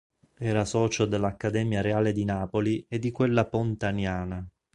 Era socio dell'Accademia reale di Napoli e di quella Pontaniana.